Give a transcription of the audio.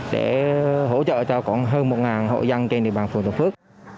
để hỗ trợ cho còn hơn một hộ dân trên địa bàn phường thuận phước